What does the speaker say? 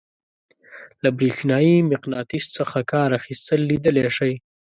له برېښنايي مقناطیس څخه کار اخیستل لیدلی شئ.